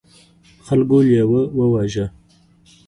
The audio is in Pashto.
خلکو لیوه وواژه.